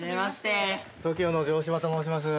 ＴＯＫＩＯの城島と申します。